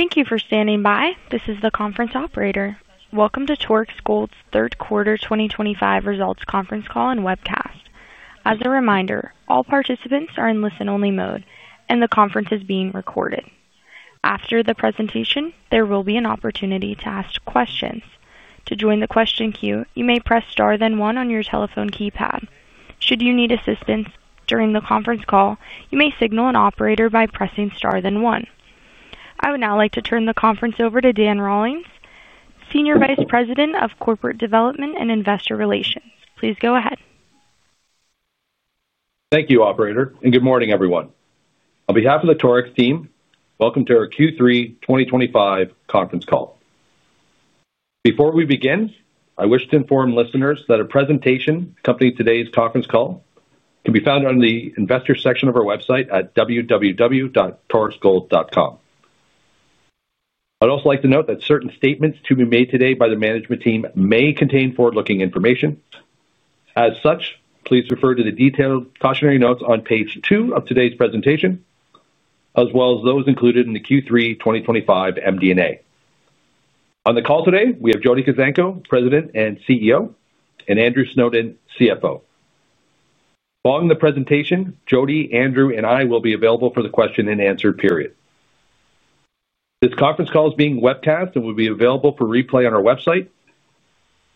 Thank you for standing by. This is the conference operator. Welcome to Torex Gold's Third Quarter 2025 Results Conference Call and Webcast. As a reminder, all participants are in listen-only mode and the conference is being recorded. After the presentation, there will be an opportunity to ask questions. To join the question queue, you may press tar then one on your telephone keypad. Should you need assistance during the conference call, you may signal an operator by pressing star then one. I would now like to turn the conference over to Dan Rollins, Senior Vice President of Corporate Development and Investor Relations. Please go ahead. Thank you, operator, and good morning, everyone. On behalf of the Torex team, welcome to our Q3 2025 Conference Call. Before we begin, I wish to inform listeners that a presentation accompanying today's conference call can be found on the Investors Section of our website at www.torexgold.com. I'd also like to note that certain statements to be made today by the management team may contain forward-looking information. As such, please refer to the detailed cautionary notes on page two of today's presentation as well as those included in the Q3 2025 MD&A. On the call today we have Jody Kuzenko, President and CEO, and Andrew Snowden, CFO. Following the presentation, Jody, Andrew, and I will be available for the question and answer period. This conference call is being webcast and will be available for replay on our website.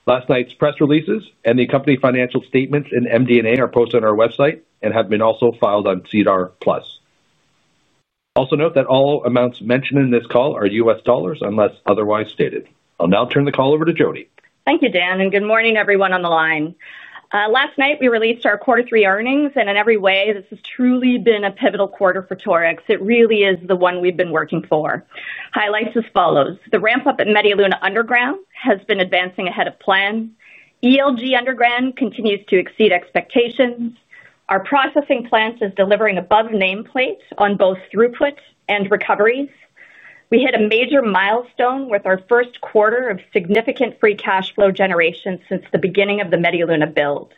Last night's press releases and the accompanying financial statements and MD&A are posted on our website and have been also filed on SEDAR+. Also note that all amounts mentioned in this call are US Dollars unless otherwise stated. I'll now turn the call over to Jody. Thank you Dan and good morning everyone on the line. Last night we released our quarter three earnings and in every way this has truly been a pivotal quarter for Torex. It really is the one we've been working as follows. The ramp up at Media Luna Underground has been advancing ahead of plan. ELG Underground continues to exceed expectations. Our processing plant is delivering above nameplate on both throughput and recoveries. We hit a major milestone with our first quarter of significant free cash flow generation. Since the beginning of the Media Luna build,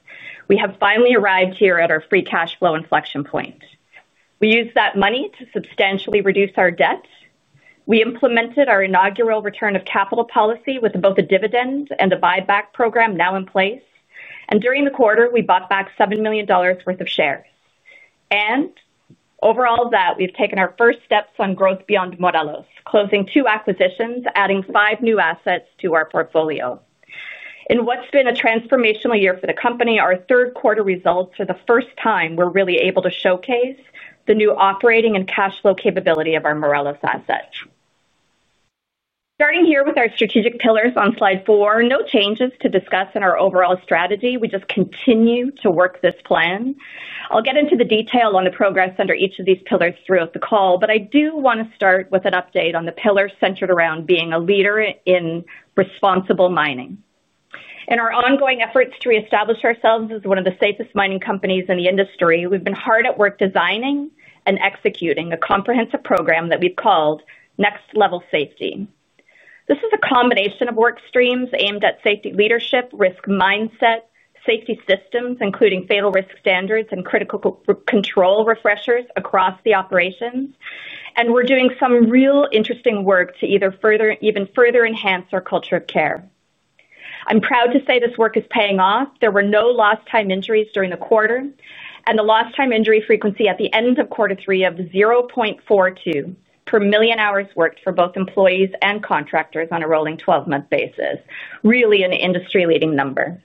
we have finally arrived here at our free cash flow inflection point. We used that money to substantially reduce our debt. We implemented our inaugural return of capital policy with both a dividend and a buyback program now in place. During the quarter we bought back $7 million worth of shares. Overall, we have taken our first steps on growth beyond Morelos, closing two acquisitions, adding five new assets to our portfolio. In what has been a transformational year for the company, our third quarter results, for the first time, really showcase the new operating and cash flow capability of our Morelos assets. Starting here with our strategic pillars on slide four, there are no changes to discuss in our overall strategy. We just continue to work this plan. I will get into the detail on the progress under each of these pillars throughout the call, but I do want to start with an update on the pillars centered around being a leader in responsible mining. In our ongoing efforts to reestablish ourselves as one of the safest mining companies in the industry, we've been hard at work designing and executing a comprehensive program that we've called Next Level Safety. This is a combination of work streams aimed at safety leadership, risk mindset, safety systems including fatal risk standards and critical control refreshers across the operations. We're doing some real interesting work to either further, even further enhance our culture of care. I'm proud to say this work is paying off. There were no lost time injuries during the quarter and the lost time injury frequency at the end of quarter three of 0.42 per million hours worked for both employees and contractors on a rolling 12 month basis. Really an industry leading number.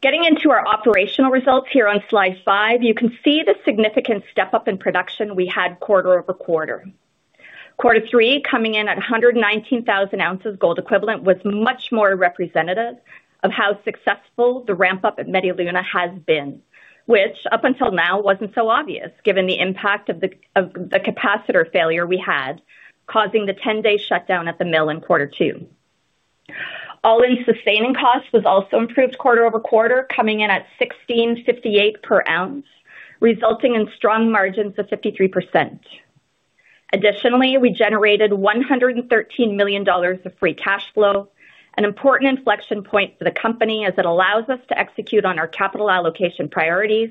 Getting into our operational results. Here on slide five you can see the significant step up in production we had quarter over quarter. Quarter three coming in at 119,000 ounces gold equivalent was much more representative of how successful the ramp up at Media Luna has been. Which up until now was not so obvious given the impact of the capacitor failure we had causing the 10 day shutdown at the mill in quarter two. All-in sustaining costs was also improved quarter over quarter coming in at $1,658 per ounce resulting in strong margins of 53%. Additionally we generated $113 million of free cash flow. An important inflection point for the company as it allows us to execute on our capital allocation priorities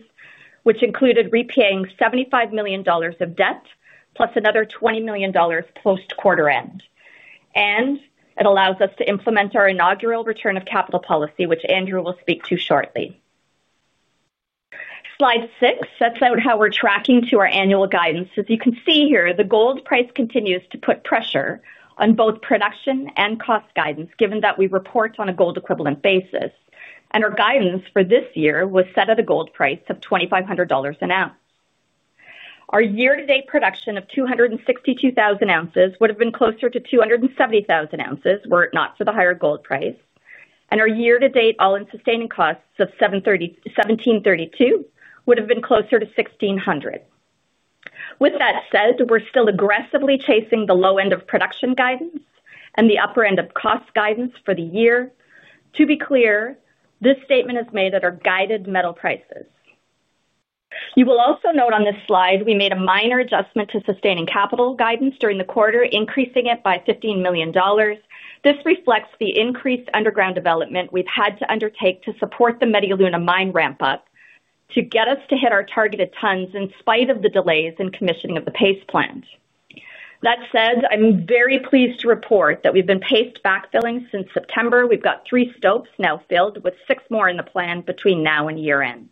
which included repaying $75 million of debt plus another $20 million post quarter end. It allows us to implement our inaugural Return of Capital policy, which Andrew will speak to shortly. Slide six sets out how we're tracking to our annual guidance. As you can see here, the gold price continues to put pressure on both production and cost guidance. Given that we report on a gold equivalent basis and our guidance for this year was set at a gold price of $2,500 an ounce, our year to date production of 262,000 ounces would have been closer to 270,000 ounces were it not for the higher gold price, and our year to date all-in sustaining costs of $1,732 would have been closer to $1,600. With that said, we're still aggressively chasing the low end of production guidance and the upper end of cost guidance for the year. To be clear, this statement is made at our guided metal prices. You will also note on this slide we made a minor adjustment to sustaining Capital Guidance during the quarter, increasing it by $15 million. This reflects the increased underground development we've had to undertake to support the Media Luna Mine ramp up to get us to hit our targeted tons in spite of the delays in commissioning of the paste plant. That said, I'm very pleased to report that we've been paced backfilling since September. We've got three stopes now filled with six more in the plan between now and year end.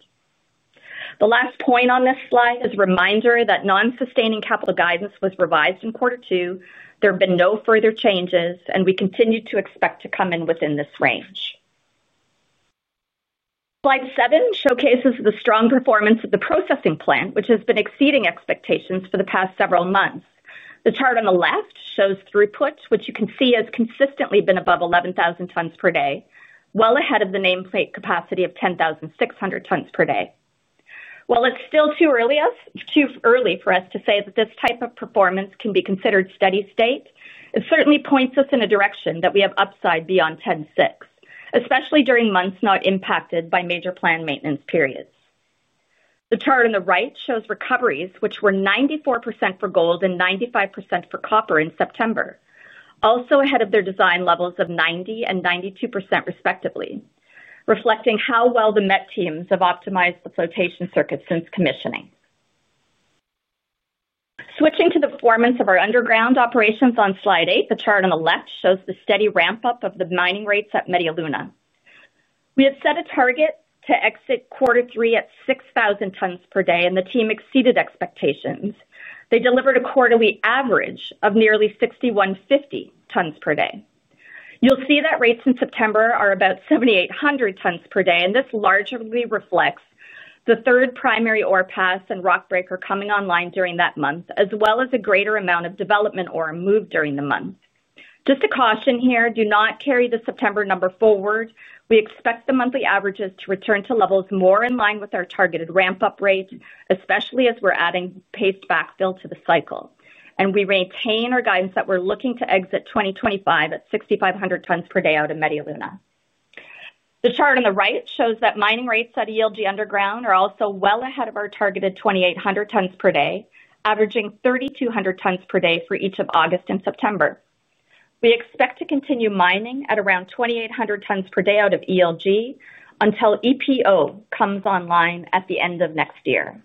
The last point on this slide is a reminder that non-sustaining Capital Guidance was revised in quarter two. There have been no further changes and we continue to expect to come in within this range. Slide seven showcases the strong performance of the processing plant which has been exceeding expectations for the past several months. The chart on the left shows throughput which you can see has consistently been above 11,000 tons per day, well ahead of the nameplate capacity of 10,600 tons per day. While it's still too early for us to say that this type of performance can be considered steady state, it certainly points us in a direction that we have upside beyond 10.6, especially during months not impacted by major planned maintenance periods. The chart on the right shows recoveries which were 94% for gold and 95% for copper in September, also ahead of their design levels of 90% and 92% respectively, reflecting how well the Met teams have optimized the flotation circuit since commissioning, switching to the performance of our underground operations. On slide eight, the chart on the left shows the steady ramp up of the mining rates at Media Luna. We have set a target to exit quarter three at 6,000 tons per day and the team exceeded expectations. They delivered a quarterly average of nearly 6,150 tons per day. You'll see that rates in September are about 7,800 tons per day and this largely reflects the third primary ore pass and rock breaker coming online during that month, as well as a greater amount of development ore moved during the month. Just a caution here, do not carry the September number forward. We expect the monthly averages to return to levels more in line with our targeted ramp-up rate, especially as we're adding paste backfill to the cycle and we retain our guidance that we're looking to exit 2025 at 6,500 tons per day out in Media Luna. The chart on the right shows that mining rates at ELG Underground are also well ahead of our targeted 2,800 tons per day, averaging 3,200 tons per day for each of August and September. We expect to continue mining at around 2,800 tons per day out of ELG until EPO comes online at the end of next year.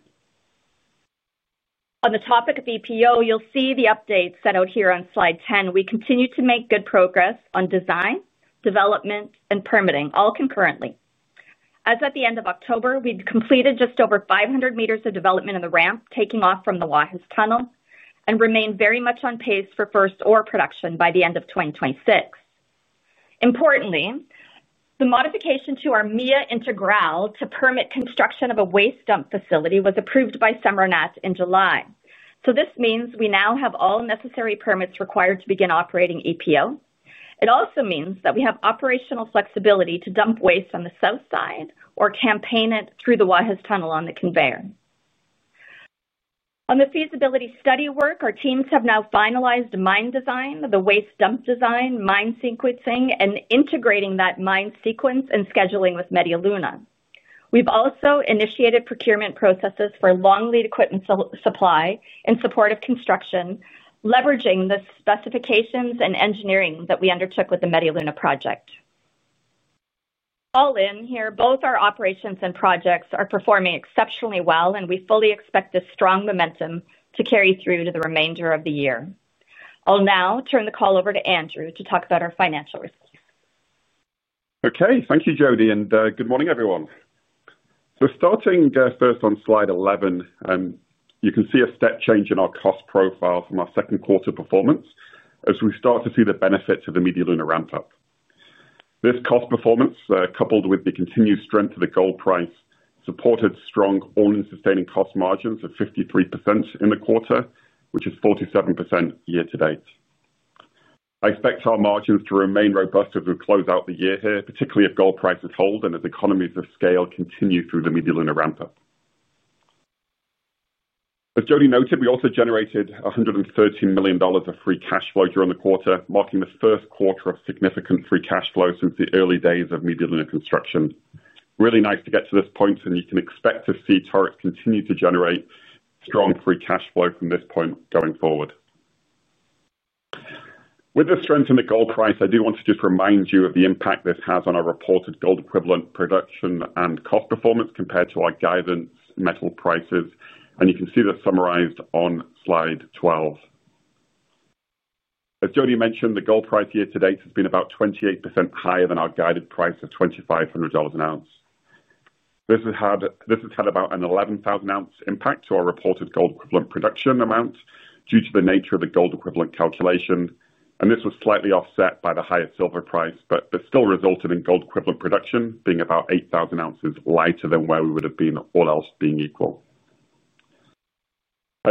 On the topic of EPO, you'll see the updates set out here on Slide 10. We continue to make good progress on design, development, and permitting all concurrently as at the end of October we completed just over 500 meters of development in the ramp taking off from the Guajes Tunnel and remain very much on pace for first ore production by the end of 2026. Importantly, the modification to our MIA integral to permit construction of a waste dump facility was approved by SEMARNAT in July, so this means we now have all necessary permits required to begin operating EPO. It also means that we have operational flexibility to dump waste on the south side or campaign it through the Guajes Tunnel on the conveyor. On the feasibility study work, our teams have now finalized mine design, the waste dump design, mine sequencing, and integrating that mine sequence and scheduling with Media Luna. We've also initiated procurement processes for long lead equipment supply in support of construction, leveraging the specifications and engineering that we undertook with the Media Luna project. All in here. Both our operations and projects are performing exceptionally well and we fully expect this strong momentum to carry through to the remainder of the year. I'll now turn the call over to Andrew to talk about our financial results. Okay, thank you Jody and good morning everyone. Starting first on slide 11, you can see a step change in our cost profile from our second quarter performance as we start to see the benefits of the Media Luna ramp up. This cost performance, coupled with the continued strength of the gold price, supported strong all-in sustaining cost margins of 53% in the quarter, which is 47% year to date. I expect our margins to remain robust as we close out the year here, particularly if gold prices hold and as economies of scale continue through the Media Luna ramp up. As Jody noted, we also generated $113 million of free cash flow during the quarter, marking the first quarter of significant free cash flow since the early days building and construction. Really nice to get to this point and you can expect to see Torex continue to generate strong free cash flow from this point going forward. With the. Strength in the gold price. I do want to just remind you of the impact this has on our reported gold equivalent production and cost performance compared to our guidance metal prices and you can see this summarized on slide 12. As Jody mentioned, the gold price year to date has been about 28% higher than our guided price of $2,500 an ounce. This has had about an 11,000 ounce impact to our reported gold equivalent production amount due to the nature of the gold equivalent calculation and this was slightly offset by the higher silver price but still resulted in gold equivalent production being about 8,000 ounces lighter than where we would have been. All else being equal,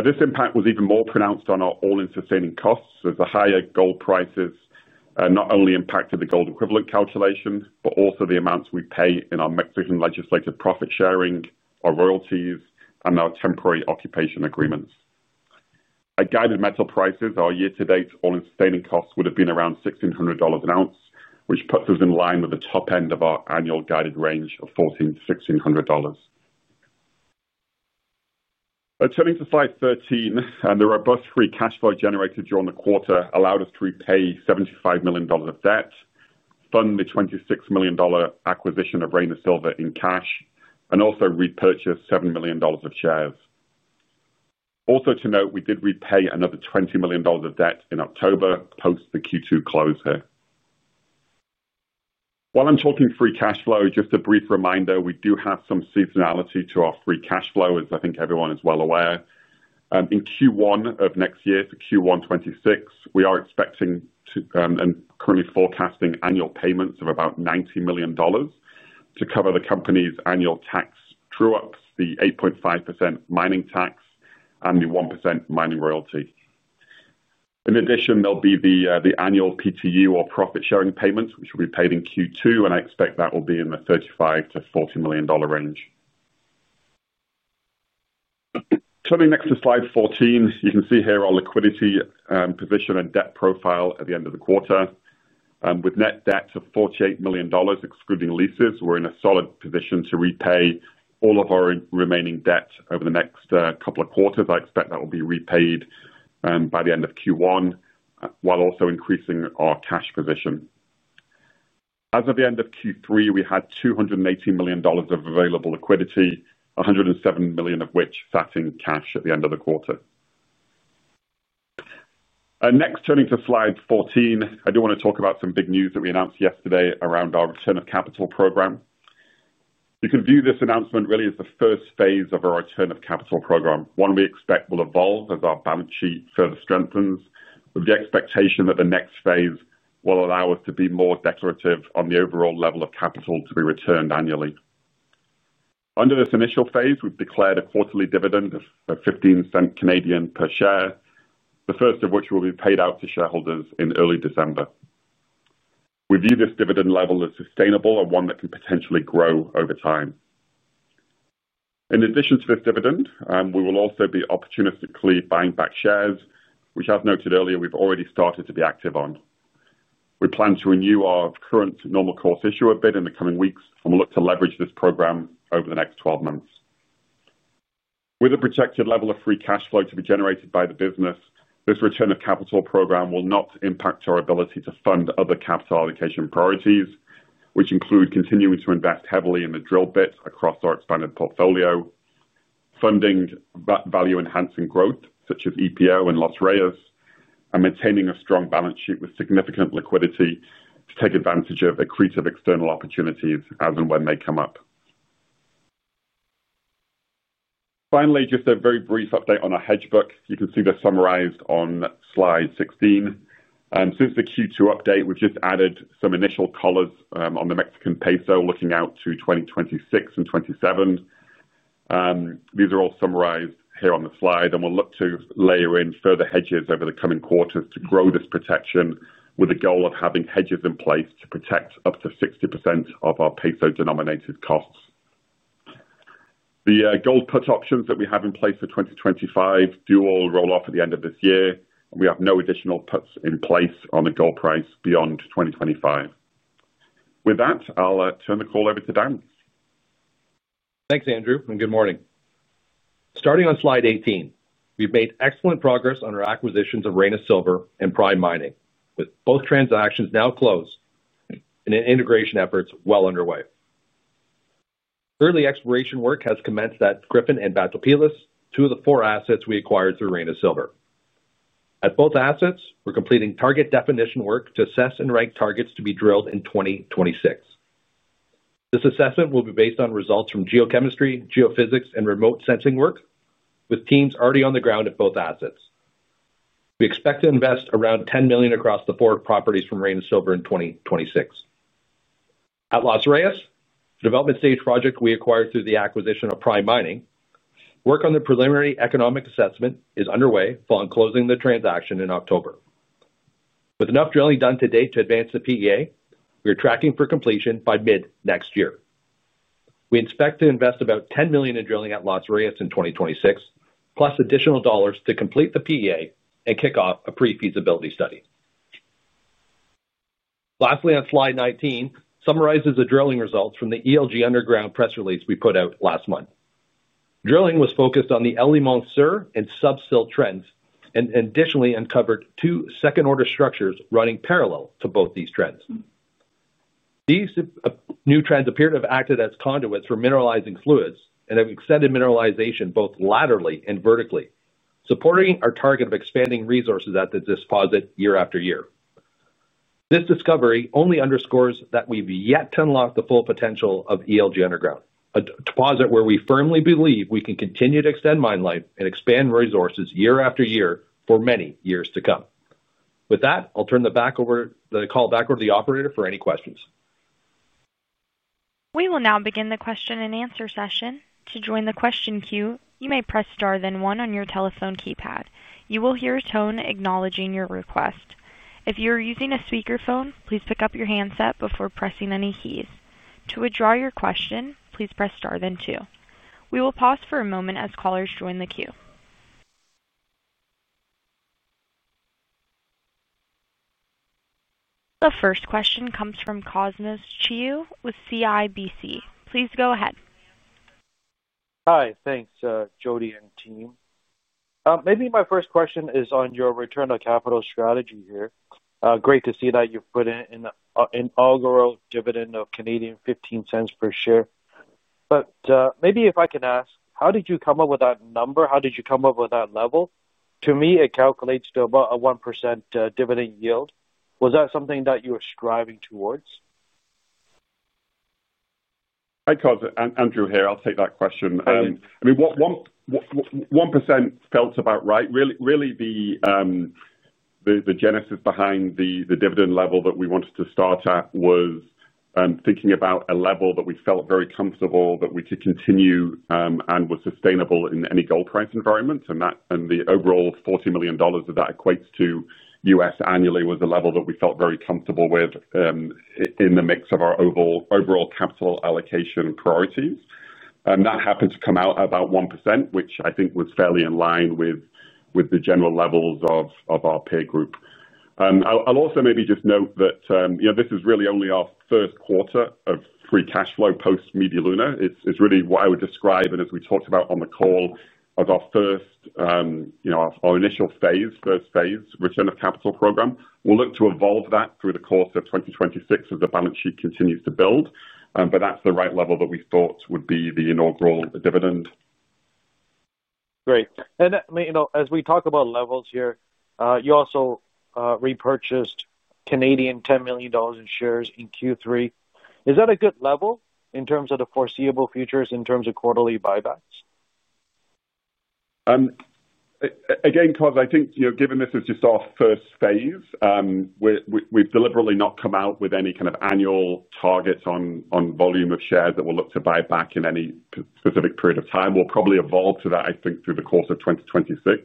this impact was even more pronounced on our all-in sustaining costs as the higher gold prices not only impacted the gold equivalent calculation but also the amounts we pay in our Mexican legislative profit sharing, our royalties, and our temporary occupation agreements at guided metal prices. Our year-to-date all-in sustaining costs would have been around $1,600 an ounce, which puts us in line with the top end of our annual guided range of $1,400-$1,600. Turning to slide 13, the robust free cash flow generated during the quarter allowed us to repay $75 million of debt, fund the $26 million acquisition of Reyna Silver in cash, and also repurchase $7 million of shares. Also to note, we did repay another $20 million of debt in October post the Q2 close here. While I'm talking free cash flow, just a brief reminder, we do have some seasonality to our free cash flow as I think everyone is well aware in Q1 of next year for Q1 2026, we are expecting and currently forecasting annual payments of about $90 million to cover the company's annual tax, true ups, the 8.5% mining tax and the 1% mining royalty. In addition, there'll be the annual PTU or profit sharing payments which will be paid in Q2 and I expect that will be in the $35 million-$40 million range. Turning next to slide 14, you can see here our liquidity position and debt profile at the end of the quarter. With net debt of $48 million excluding leases, we're in a solid position to repay all of our remaining debt over the next couple of quarters. I expect that will be repaid by the end of Q1 while also increasing our cash position. As of the end of Q3 we had $280 million of available liquidity, $107 million of which sat in cash at the end of the quarter. Next, turning to Slide 14, I do want to talk about some big news that we announced yesterday around our return of capital program. You can view this announcement really as the first phase of our return of capital program, one we expect will evolve as our balance sheet further strengthens, with the expectation that the next phase will allow us to be more declarative on the overall level of capital to be returned annually. Under this initial phase, we've declared a quarterly dividend of 0.15 per share, the first of which will be paid out to shareholders in early December. We view this dividend level as sustainable and one that can potentially grow over time. In addition to this dividend, we will also be opportunistically buying back shares which, as noted earlier, we've already started to be active on. We plan to renew our current normal course issuer bid in the coming weeks and we'll look to leverage this program over the next 12 months. With a projected level of free cash flow to be generated by the business, this Return of Capital program will not impact our ability to fund other capital allocation priorities which include continuing to invest heavily in the drill bit across our expanded portfolio, funding value enhancing growth such as EPO and Los Reyes, and maintaining a strong balance sheet with significant liquidity to take advantage of accretive external opportunities as and when they come up. Finally, just a very brief update on our hedge book. You can see this summarized on Slide 16. Since the Q2 update, we've just added some initial colors on the Mexican peso looking out to 2026 and 2027. These are all summarized here on the slide and we'll look to layer in further hedges over the coming quarters to grow this protection, with the goal of having hedges in place to protect up to 60% of our peso denominated costs. The gold put options that we have in place for 2025 do all roll off at the end of this year and we have no additional puts in place on the gold price beyond 2025. With that, I'll turn the call over to Dan. Thanks Andrew and good morning. Starting on slide 18, we've made excellent progress on our acquisitions of Reyna Silver and Prime Mining, with both transactions now closed and integration efforts well underway. Early exploration work has commenced at Gryphon and Batopilas, two of the four assets we acquired through Reyna Silver. At both assets we're completing target definition work to assess and rank targets to be drilled in 2026. This assessment will be based on results from geochemistry, geophysics and remote sensing work with teams already on the ground at both assets. We expect to invest around $10 million across the four properties from Reyna Silver in 2026. At Los Reyes development stage project we acquired through the acquisition of Prime Mining. Work on the preliminary economic assessment is underway following closing the transaction in October with enough drilling done to date to advance the PEA. We are tracking for completion by mid next year. We expect to invest about $10 million in drilling at Los Reyes in 2026 plus additional dollars to complete the PEA and kick off a pre-feasibility study. Lastly, slide 19 summarizes the drilling results from the ELG Underground press release we put out last month. Drilling was focused on the El Limón Sur and Sub-Sill trends and additionally uncovered two second order structures running parallel to both these trends. These new trends appear to have acted as conduits for mineralizing fluids and have extended mineralization both laterally and vertically, supporting our target of expanding resources at the deposit year after year. This discovery only underscores that we've yet to unlock the full potential of ELG Underground, a deposit where we firmly believe we can continue to extend mine life and expand resources year after year for many years to come. With that, I'll turn the call back over to the operator for any questions. We will now begin the question and answer session. To join the question queue you may press star then 1. On your telephone keypad you will hear a tone acknowledging your request. If you are using a speakerphone, please pick up your handset before pressing any keys. To withdraw your question, please press star then 2. We will pause for a moment as callers join the queue. The first question comes from Cosmos Chiu with CIBC. Please go ahead. Hi, thanks Jody and team. Maybe my first question is on your return on capital strategy here. Great to see that you've put in an inaugural dividend of 0.15 per share, but maybe if I can ask how did you come up with that number? How did you come up with that level? To me it calculates to about a 1% dividend yield. Was that something that you were striving towards? Hi Cos, Andrew here, I'll take that question. I mean 1% felt about right really. The genesis behind the dividend level that we wanted to start at was thinking about a level that we felt very comfortable that we could continue and was sustainable in any gold price environment. The overall $40 million of that equates to us annually was a level that we felt very comfortable with in the mix of our overall capital allocation priorities. That happened to come out about 1% which I think was fairly in line with the general levels of our peer group. I'll also maybe just note that this is really only our first quarter of free cash flow post Media Luna. It's really what I would describe and as we talked about on the call, as our first, our initial phase, first phase return of capital program. We'll look to evolve that through the course of 2026 as the balance sheet continues to build. That is the right level that we thought would be the inaugural dividend. Great. You know, as we talk about levels here, you also repurchased 10 million Canadian dollars in shares in Q3. Is that a good level in terms of the foreseeable futures in terms of quarterly buybacks? Again, I think given this is just our first phase, we've deliberately not come out with any kind of annual targets on volume of shares that we'll look to buy back in any specific period of time. We'll probably evolve to that. I think through the course of 2026.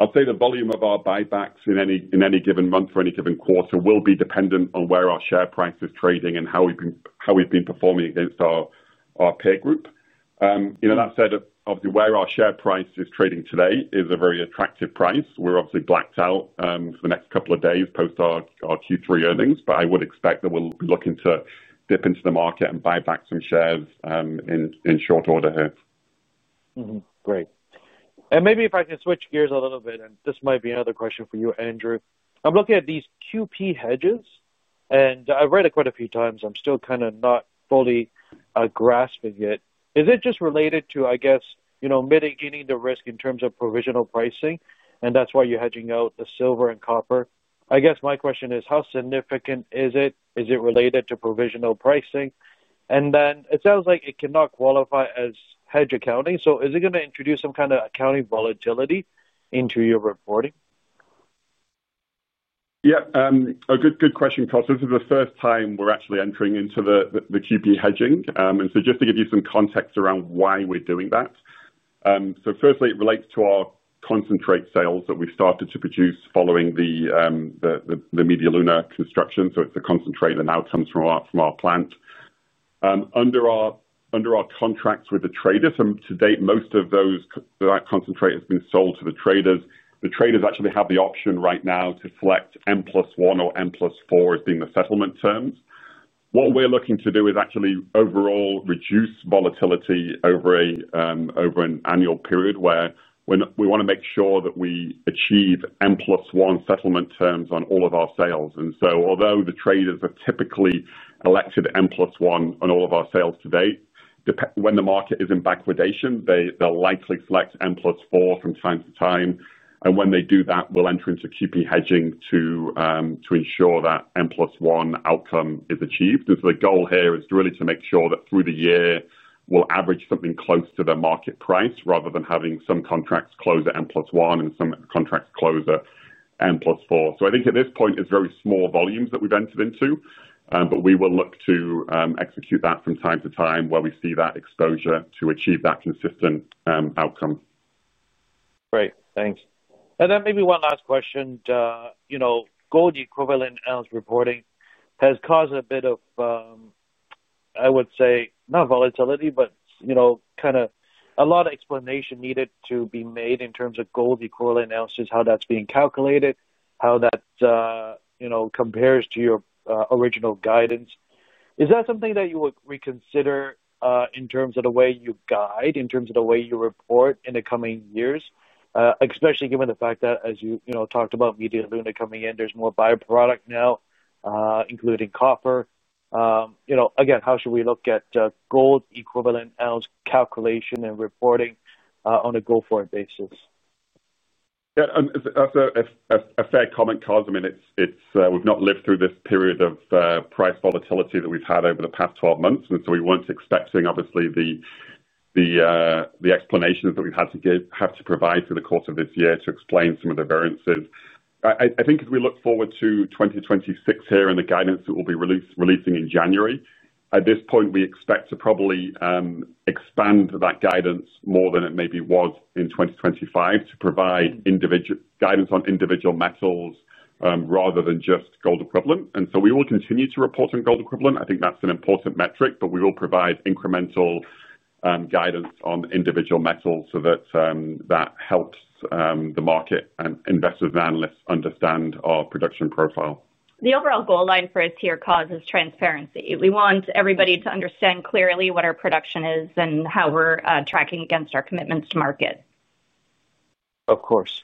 I'll say the volume of our buybacks in any given month or any given quarter will be dependent on where our share price is trading and how we've been performing against our peer group. That said, obviously, where our share price is trading today is a very attractive price. We're obviously blacked out for the next couple of days post our Q3 earnings, but I would expect that we'll be looking to dip into the market and buy back some shares in short order here. Great. Maybe if I can switch gears a little bit, and this might be another question for you, Andrew. I'm looking at these QP hedges and I've read it quite a few times. I'm still kind of not fully grasping it. Is it just related to, I guess, you know, mitigating the risk in terms of provisional pricing and that's why you're hedging out the silver and copper? I guess my question is, how significant is it? Is it related to provisional pricing? And then it sounds like it cannot qualify as hedge accounting. Is it going to introduce some kind of accounting volatility into your reporting? Yeah, a good question, Cos. This is the first time we're actually entering into the QP hedging. And just to give you some context around why we're doing that. Firstly, it relates to our concentrate sales that we started to produce following the Media Luna construction. It's a concentrate that now comes from our plant under our contracts with the trader. To date, most of those, so that concentrate has been sold to the traders. The traders actually have the option right now to select N+1 or N+4 as being the settlement terms. What we're looking to do is actually overall reduce volatility over an annual period where we want to make sure that we achieve N+1 settlement terms on all of our sales. Although the traders are typically elected M+1 on all of our sales to date, when the market is in backwardation, they'll likely select N+4 from time to time. When they do that, we'll enter into QP hedging to ensure that N1 outcome is achieved. The goal here is really to make sure that through the year we'll average something close to the market price, rather than having some contracts close at N+1 and some contracts close at N+4. I think at this point it's very small volumes that we've entered into, but we will look to execute that from time to time where we see that exposure to achieve that consistent outcome. Great, thanks. Maybe one last question. You know, gold equivalent analysis reporting has caused a bit of, I would say not volatility, but, you know, kind of a lot of explanation needed to be made in terms of gold equivalent analysis, how that's being calculated, how that compares to your original guidance. Is that something that you would reconsider in terms of the way you guide, in terms of the way you report in the coming years? Especially given the fact that as you talked about Media Luna coming in, there's more byproduct now, including copper. Again, how should we look at gold equivalent ounce calculation and reporting on a go forward basis? That's a fair comment, Cos. I mean, it's, we've not lived through this period of price volatility that we've had over the past 12 months. We were not expecting, obviously, the explanations that we had to give, have to provide for the course of this year to explain some of the variances. I think as we look forward to 2026 here and the guidance that we'll be releasing in January, at this point we expect to probably expand that guidance more than it maybe was in 2025, to provide individual guidance on individual metals rather than just gold equivalent. We will continue to report on gold equivalent. I think that's an important metric, but we will provide incremental guidance on individual metals so that helps the market and investors and analysts understand our production profile. The overall goal line for us here causes transparency. We want everybody to understand clearly what our production is and how we're tracking commitments to market. Of course.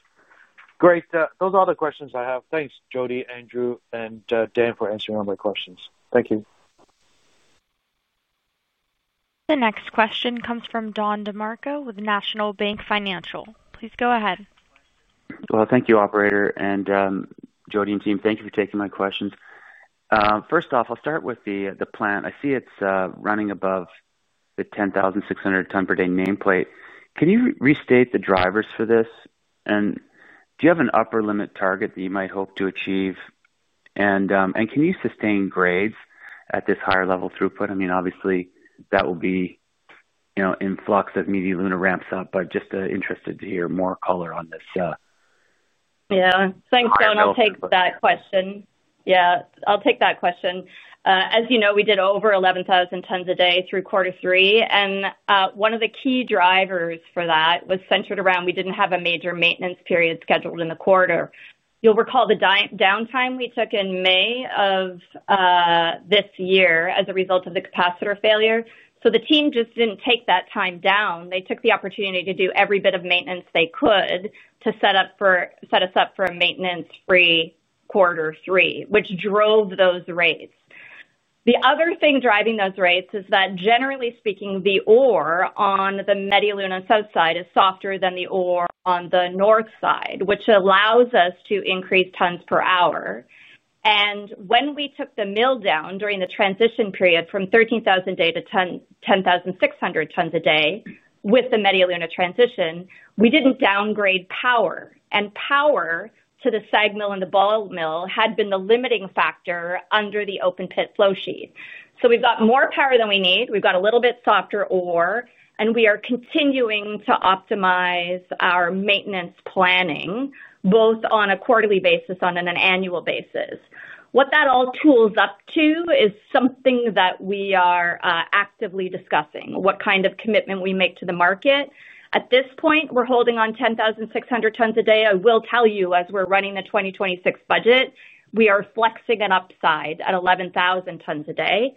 Great. Those are all the questions I have. Thanks Jody, Andrew and Dan for answering all my questions. Thank you. The next question comes from Don DeMarco with National Bank Financial. Please go ahead. Thank you, operator, and Jody and team, thank you for taking my questions. First off, I'll start with the plant. I see it's running above the 10,600 ton per day nameplate. Can you restate the drivers for this? Do you have an upper limit target that you might hope to achieve? Can you sustain grades at this higher level throughput? I mean, obviously that will be, you know, influx of Media Luna ramps up. Just interested to hear more color on this. Yeah, thanks, Don. I'll take that question. As you know, we did over 11,000 tons a day through quarter three. One of the key drivers for that was centered around we did not have a major maintenance period scheduled in the quarter. You'll recall the downtime we took in May of this year as a result of the capacitor failure. The team did not just take that time down. They took the opportunity to do every bit of maintenance they could to set us up for a maintenance-free quarter three, which drove those rates. The other thing driving those rates is that, generally speaking, the ore on the Media Luna south side is softer than the ore on the north side, which allows us to increase tons per hour. When we took the mill down during the transition period from 13,000 a day to 10,600 tons a day with the Media Luna transition, we did not downgrade power. Power to the SAG mill and the ball mill had been the limiting factor under the open pit flow sheet. We have more power than we need. We have a little bit softer ore, and we are continuing to optimize our maintenance planning both on a quarterly basis and on an annual basis. What that all totals up to is something that we are actively discussing, what kind of commitment we make to the market. At this point, we are holding on 10,600 tons a day. I will tell you, as we are running the 2026 budget, we are flexing an upside at 11,000 tons a day.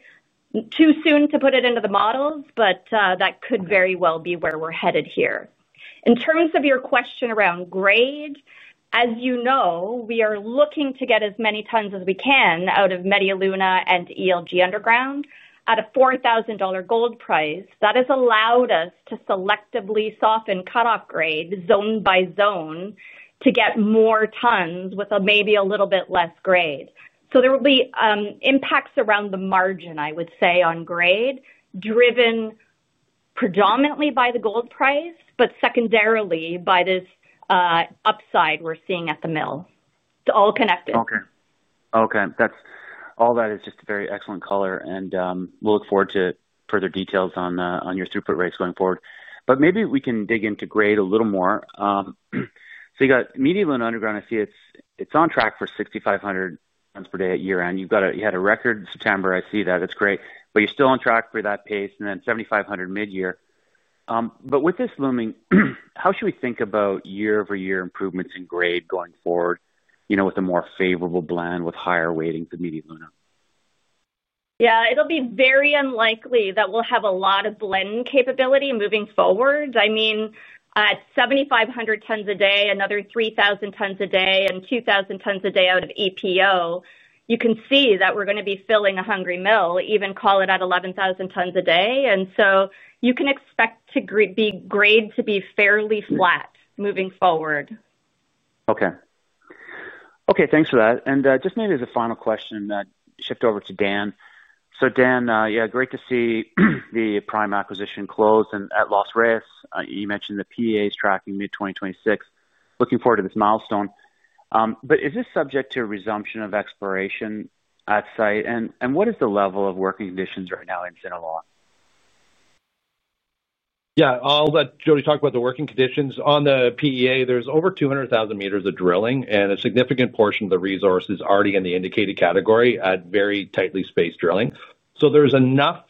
It is too soon to put it into the models. That could very well be where we're headed here in terms of your question around grade. As you know, we are looking to get as many tons as we can out of Media Luna and ELG Underground at a $4,000 gold price. That has allowed us to selectively soften cutoff grade zone by zone to get more tons with maybe a little bit less grade. There will be impacts around the margin, I would say, on grade, driven predominantly by the gold price. Secondarily, by this upside we're seeing at the mill. It's all connected. Okay. Okay. All that is just a very excellent color. We'll look forward to further details on your throughput rates going forward. Maybe we can dig into grade a little more. You got Media Luna underground. I see it's on track for 6,500 tons per day at year end. You had a record September. I see that, it's great. You're still on track for that pace, and then 7,500 mid year. With this looming, how should we think about year over year improvements in grade going forward with a more favorable blend with higher weighting the Media Luna? Yeah, it'll be very unlikely that we'll have a lot of blend capability moving forward. I mean, at 7,500 tons a day, another 3,000 tons a day and 2,000 tons a day out of EPO, you can see that we're going to be filling a hungry mill, even call it at 11,000 tons a day. You can expect the grade to be fairly flat moving forward. Okay. Okay, thanks for that. And just maybe as a final question, shift over to Dan. So, Dan. Yeah, great to see the Prime acquisition close. And at Los Reyes, you mentioned the PEA is tracking mid-2026. Looking forward to this milestone. But is this subject to resumption of exploration at site? And what is the level of working conditions right now in Sinaloa? Yeah, I'll let Jody talk about the working conditions on the PEA. There's over 200,000 meters of drilling and a significant portion of the resource is already in the indicated category at very tightly spaced drilling. So there's enough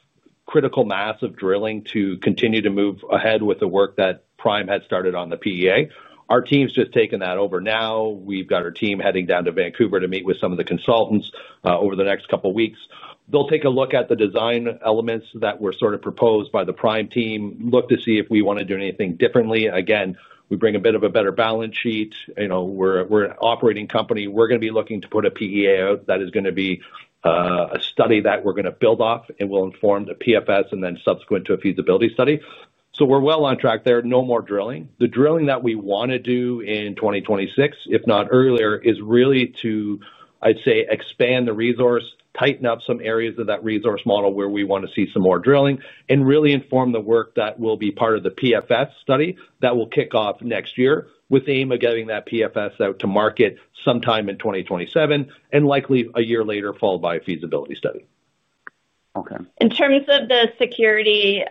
critical mass of drilling to continue to move ahead with the work that Prime had started on the PEA. Our team's just taken that over now. We've got our team heading down to Vancouver to meet with some of the consultants over the next couple of weeks. They'll take a look at the design elements that were sort of proposed by the Prime team, look to see if we want to do anything differently. Again, we bring a bit of a better balance sheet. You know, we're, we're an operating company. We're going to be looking to put a PEA out that is going to be a study that we're going to build off and will inform the PFS and then subsequent to a feasibility study. We are well on track there. No more drilling. The drilling that we want to do in 2026, if not earlier, is really to, I'd say, expand the resource, tighten up some areas of that resource model where we want to see some more drilling, and really inform the work that will be part of the PFS study that will kick off next year with the aim of getting that PFS out to market sometime in 2027 and likely a year later, followed by a feasibility study. In terms of the security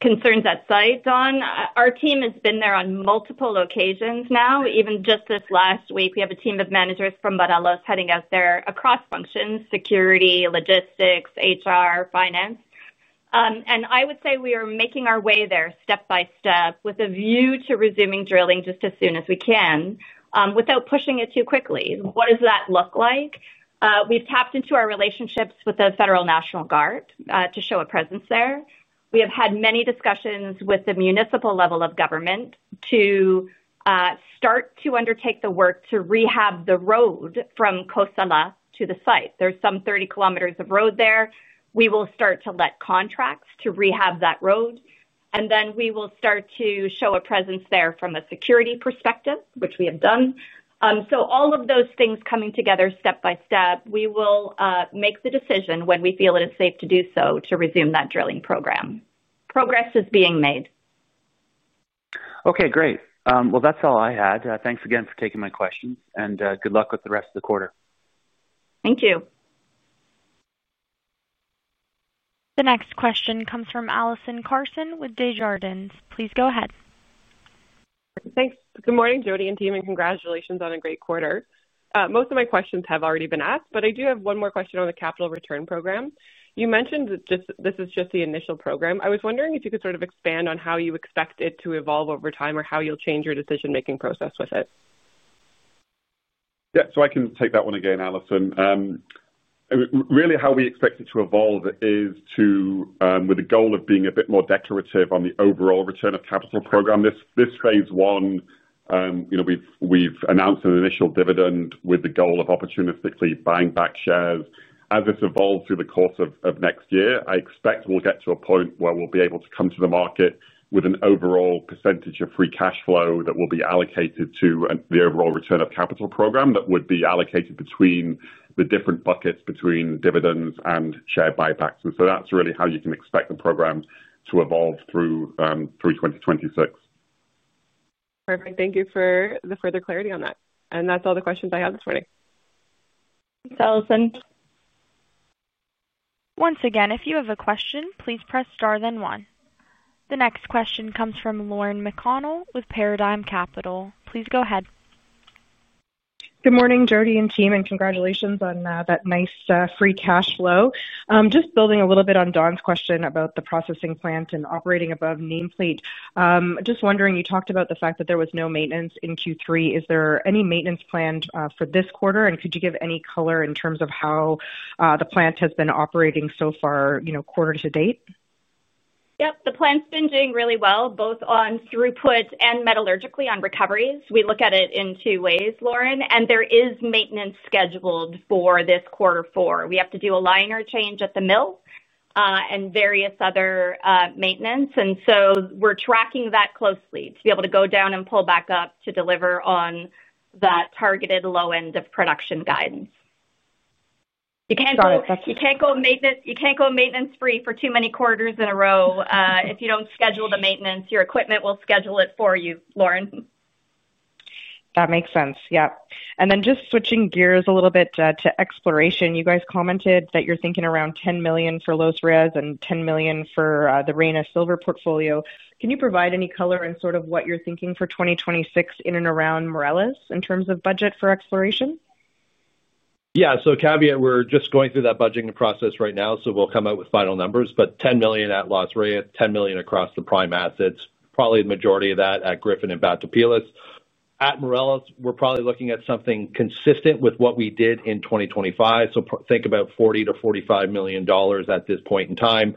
concerns at site Don, our team has been there on multiple occasions. Now even just this last week, we have a team of managers from Barlos heading out there across functions, security, logistics, HR, finance. I would say we are making our way there step by step with a view to resuming drilling just as soon as we can without pushing it too quickly. What does that look like? We've tapped into our relationships with the Federal National Guard to show a presence there. We have had many discussions with the municipal level of government to start to undertake the work to rehab the road from Cosala to the site. There's some 30 km of road there. We will start to let contracts to rehab that road and then we will start to show a presence there from a security perspective, which we have done. All of those things coming together step by step, we will make the decision when we feel it is safe to do so, to resume that drilling program. Progress is being made. Okay, great. That's all I had. Thanks again for taking my questions. Good luck with the rest of the quarter. Thank you. The next question comes from Alison Carson with Desjardins. Please go ahead. Thanks. Good morning Jody and team and congratulations on a great quarter. Most of my questions have already been asked, but I do have one more question on the capital return program. You mentioned that this is just the initial program. I was wondering if you could sort of expand on how you expect it to evolve over time or how you'll change your decision making process with it. Yeah, so I can take that one again, Alison. Really how we expect it to evolve is to, with the goal of being a bit more decorative on the overall return of capital program. This phase one, we've announced an initial dividend with the goal of opportunistically buying back shares. As it's evolved through the course of next year, I expect we'll get to a point where we'll be able to come to the market with an overall percentage of free cash flow that will be allocated to the overall return of capital program that would be allocated between the different buckets, between dividends and share buybacks. That's really how you can expect the program to evolve through 2026. Perfect. Thank you for the further clarity on that. That is all the questions I have this morning. Thanks, Allison. Once again, if you have a question, please press star then one. The next question comes from Lauren McConnell with Paradigm Capital. Please go ahead. Good morning, Jody and team. Congratulations on that nice free cash flow. Just building a little bit on Don's question about the processing plant and operating above name. Just wondering. You talked about the fact that there was no maintenance in Q3. Is there any maintenance planned for this quarter? Could you give any color in terms of how the plant has been operating so far, quarter to date? Yep. The plant's been doing really well, both on throughput and metallurgically on recoveries. We look at it in two ways, Lauren. There is maintenance scheduled for this quarter four. We have to do a liner change at the mill and various other maintenance. We are tracking that closely to be able to go down and pull back up to deliver on that targeted low end of production guidance. You cannot go maintenance free for too many quarters in a row. If you do not schedule the maintenance, your equipment will schedule it for you. Lauren. That makes sense. Yep. And then just switching gears a little bit to exploration. You guys commented that you're thinking around $10 million for Los Reyes and $10 million for the Reyna Silver portfolio. Can you provide any color and sort of what you're thinking for 2026 in and around Morelos in terms of budget for exploration? Yeah. Caveat. We're just going through that budgeting process right now, so we'll come out with final numbers. But $10 million at Los Reyes, $10 million across the Prime assets, probably the majority of that at Gryphon and Batopilas. At Morelos, we're probably looking at something consistent with what we did in 2025. Think about $40 million-$45 million at this point in time.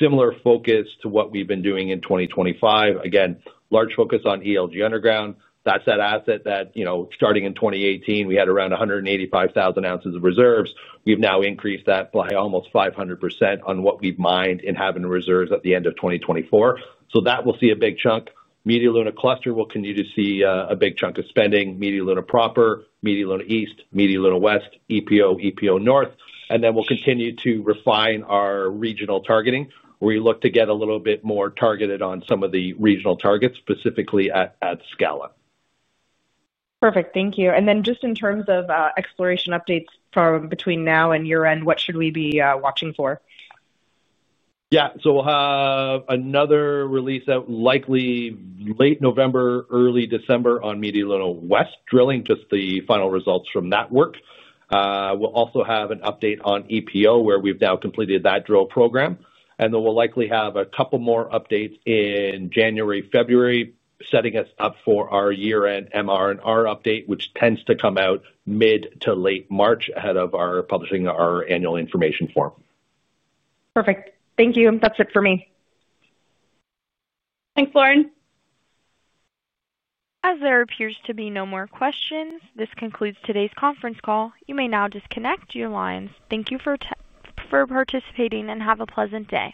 Similar focus to what we've been doing in 2025. Again, large focus on ELG Underground. That's that asset that, you know, starting in 2018, we had around 185,000 ounces of reserves. We've now increased that by almost 500% on what we've mined and have in reserves at the end of 2024. That will see a big chunk. Media Luna cluster will continue to see a big chunk of spending. Media Luna Proper, Media Luna East, Media Luna West, EPO, EPO North. We will continue to refine our regional targeting. We look to get a little bit more targeted on some of the regional targets, specifically at Los Reyes. Perfect, thank you. Just in terms of exploration updates from between now and year end, what should we be watching for? Yeah, so we'll have another release out likely late November, early December on Media Luna West drilling. Just the final results from that work. We'll also have an update on EPO where we've now completed that drill program. Then we'll likely have a couple more updates in January, February, setting us up for our year-end MRNR update, which tends to come out mid to late March ahead of our publishing our annual information form. Perfect, thank you. That's it for me. Thanks, Lauren. As there appears to be no more questions, this concludes today's conference call. You may now disconnect your lines. Thank you for participating and have a pleasant day.